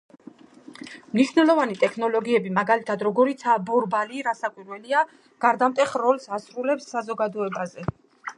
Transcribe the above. მნიშვნელოვანი ტექნოლოგიები, მაგალითად, როგორიცაა ბორბალი, რასაკვირველია, გარდამტეხ როლს ასრულებს საზოგადოებაზე